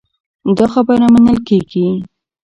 دا خبره منل کېږي.